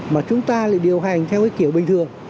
mà chúng ta lại điều hành theo cái kiểu bình thường